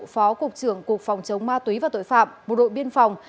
phó cục trưởng cục phòng chống ma túy và tội phạm bộ đội biên phòng